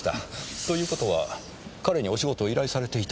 という事は彼にお仕事を依頼されていた？